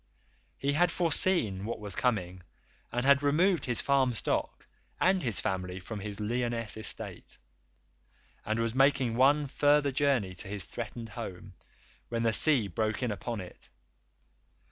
He had foreseen what was coming and had removed his farm stock and his family from his Lyonesse estate, and was making one further journey to his threatened home when the sea broke in upon it.